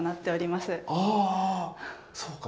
あそうか。